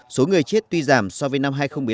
số người chết tuy giảm so với năm hai nghìn một mươi bảy